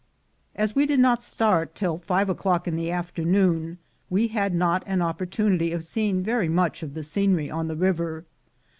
As we did not start till five o'clock in the after noon, we had not an opportunity of seeing very much of the scenery on the river.